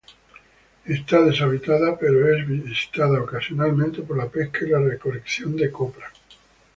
Está deshabitada, pero es visitada ocasionalmente por la pesca y la recolección de copra.